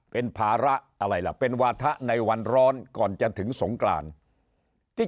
เป็นภาระอะไรล่ะเป็นวาถะในวันร้อนก่อนจะถึงสงกรานที่